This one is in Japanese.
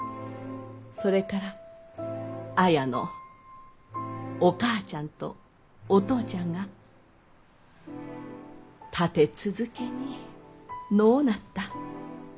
それから綾のお母ちゃんとお父ちゃんが立て続けに亡うなった。